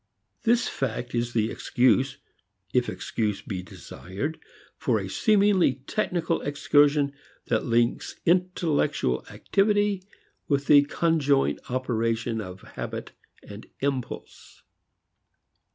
This fact is the excuse, if excuse be desired, for a seemingly technical excursion that links intellectual activity with the conjoint operation of habit and impulse.